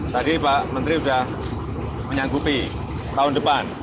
tadi pak menteri sudah menyanggupi tahun depan